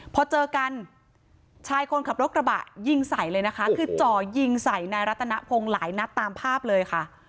พอเจอกันชายคนขับรถกระบะยิงใส่เลยนะคะคือจ่อยิงใส่นายรัตนพงศ์หลายนัดตามภาพเลยค่ะ